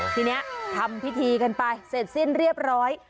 ทีนี้ทำพิธีกันไปเสร็จสิ้นเรียบร้อย